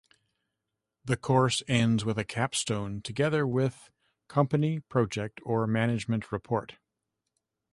The course ends with a capstone together with company project or management report.